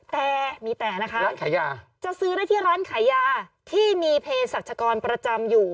แต่มีแต่นะคะจะซื้อได้ที่ร้านขายยาที่มีเพจศักดิ์ชะกรประจำอยู่